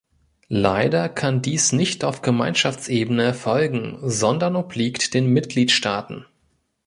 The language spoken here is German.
Leider kann dies nicht auf Gemeinschaftsebene erfolgen, sondern obliegt den Mitgliedstaaten.